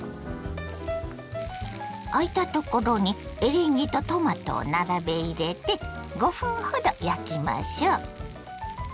あいたところにエリンギとトマトを並べ入れて５分ほど焼きましょ。